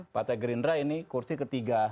partai gerindra ini kursi ketiga